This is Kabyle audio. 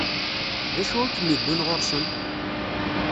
D acu i kem-iwwin ɣur-sen?